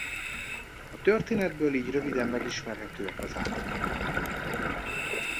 A történetből így röviden megismerhetőek az állatok.